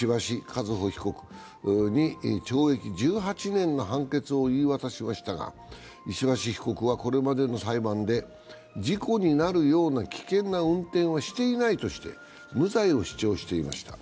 和歩被告に懲役１８年の判決を言い渡しましたが、石橋被告はこれまでの裁判で事故になるような危険な運転はしていないとして無罪を主張していました。